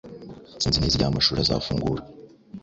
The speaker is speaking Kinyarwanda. sinzi neza igihe amashuri azafungura